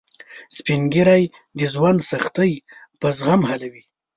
سپین ږیری د ژوند سختۍ په زغم حلوي